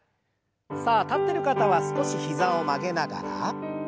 さあ立ってる方は少し膝を曲げながら。